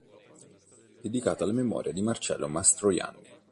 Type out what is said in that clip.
Dedicato alla memoria di Marcello Mastroianni.